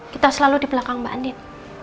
kita selalu di belakang mbak andi